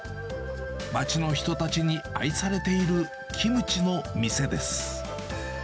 街の人たちに愛されているキムチの店です。